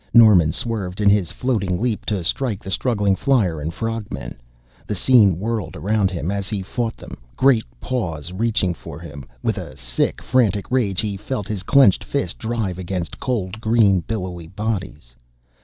Norman swerved in his floating leap to strike the struggling flier and frog men. The scene whirled around him as he fought them, great paws reaching for him. With a sick, frantic rage he felt his clenched fist drive against cold, green, billowy bodies.